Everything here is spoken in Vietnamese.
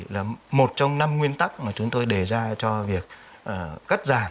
là một trong năm nguyên tắc mà chúng tôi đề ra cho việc cắt giảm